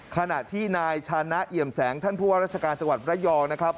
ขณะที่นายชานะเอี่ยมแสงท่านผู้ว่าราชการจังหวัดระยองนะครับ